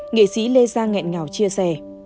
nghệ sĩ lê giang ngẹn ngào chia sẻ